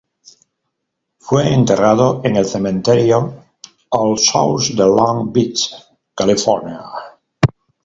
Fue enterrado en el Cementerio All Souls de Long Beach, California.